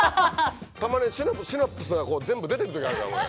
たまにシナプスが全部出ていくときあるから俺。